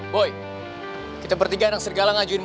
boy kita bertiga anak sergalang aja ini ya